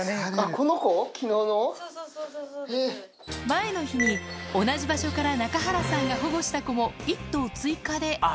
前の日に同じ場所から中原さんが保護した子も１頭追加で。